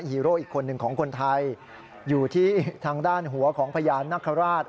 ฮีโร่อีกคนหนึ่งของคนไทยอยู่ที่ทางด้านหัวของพญานคราช